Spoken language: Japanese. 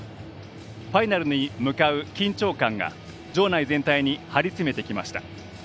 ファイナルに向かう緊張感が場内全体に張り詰めてきました。